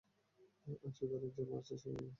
আজ ওই ঘরে যে মরছে, সে ওই মহিলা নয়।